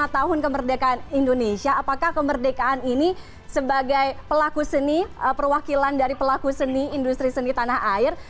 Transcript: lima tahun kemerdekaan indonesia apakah kemerdekaan ini sebagai pelaku seni perwakilan dari pelaku seni industri seni tanah air